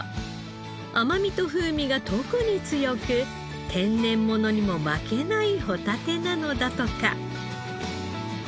甘みと風味が特に強く天然ものにも負けないホタテなのだとか。